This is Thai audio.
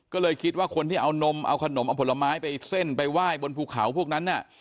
ก็เลยคิดว่าคนที่เอานมเอาขนมเอาผลไม้ไปเส้นไปไหว้บนภูเขาพวกนั้นน่ะ